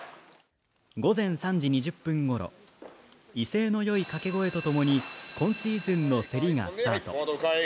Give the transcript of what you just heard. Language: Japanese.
午前３時２０分頃、威勢の良い掛け声とともに今シーズンの競りがスタート。